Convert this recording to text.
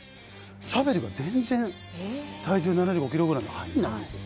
シャベルが全然体重７５ｋｇぐらいあるのに入んないんですよ。